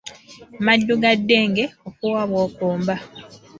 Maddu ga ddenge, ofuuwa bw’okomba